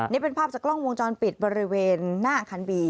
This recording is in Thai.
นี่เป็นภาพจากกล้องวงจรปิดบริเวณหน้าอาคารบี